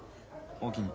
おおきに！